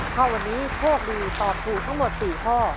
ถ้าวันนี้โชคดีตอบถูกทั้งหมด๔ข้อ